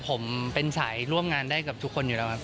ผมเป็นสายร่วมงานได้กับทุกคนอยู่แล้วครับ